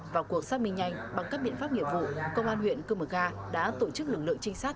vào cuộc xác minh nhanh bằng các biện pháp nghiệp vụ công an huyện cư mờ ga đã tổ chức lực lượng trinh sát